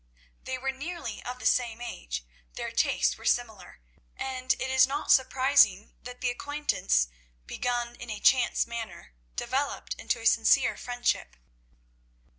They were nearly of the same age, their tastes were similar, and it is not surprising that the acquaintance begun in a chance manner developed into a sincere friendship.